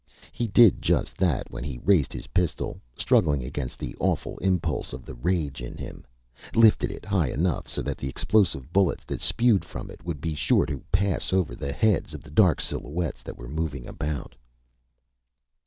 He did just that when he raised his pistol, struggling against the awful impulse of the rage in him lifted it high enough so that the explosive bullets that spewed from it would be sure to pass over the heads of the dark silhouettes that were moving about.